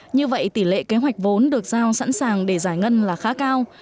như vậy tỷ lệ kế hoạch vốn được giao sẵn sàng để giải ngân là khá cao